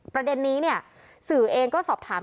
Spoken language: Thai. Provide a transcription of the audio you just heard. ประเด็นนี้เนี่ยสื่อเองก็สอบถาม